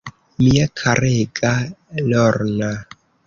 Mia karega Lorna.